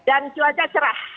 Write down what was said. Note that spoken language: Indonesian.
dan cuaca cerah